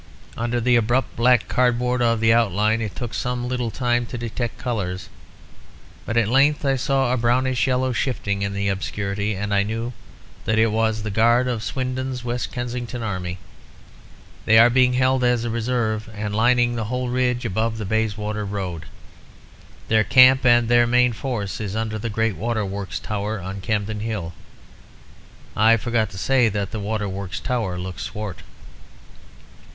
Under the abrupt black cardboard of the outline, it took some little time to detect colours; but at length I saw a brownish yellow shifting in the obscurity, and I knew that it was the guard of Swindon's West Kensington army. They are being held as a reserve, and lining the whole ridge above the Bayswater Road. Their camp and their main force is under the great Waterworks Tower on Campden Hill. I forgot to say that the Waterworks Tower looked swart.